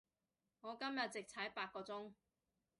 我今日直踩八個鐘